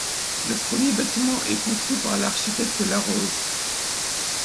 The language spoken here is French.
Le premier bâtiment est construit par l'architecte Laroze.